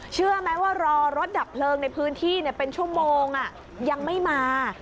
เชื่อไหมว่ารอรถดับเพลิงในพื้นที่เป็นชั่วโมงยังไม่มา